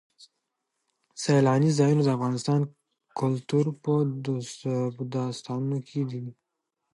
سیلاني ځایونه د افغان کلتور په داستانونو کې دي.